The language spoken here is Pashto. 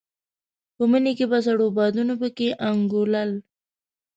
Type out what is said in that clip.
په مني کې به سړو بادونو په کې انګولل.